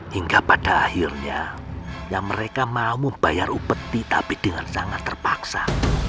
hingga pada akhirnya yang mereka mau membayar upeti tapi dengan sangat terpaksa